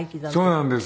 そうなんです。